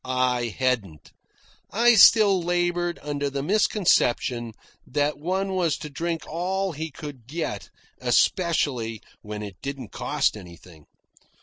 I hadn't. I still laboured under the misconception that one was to drink all he could get especially when it didn't cost anything.